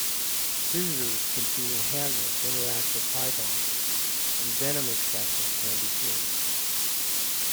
Visitors can see handlers interact with pythons, and venom extractions can be seen.